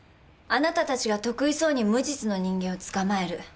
あなたたちが得意そうに無実の人間を捕まえる。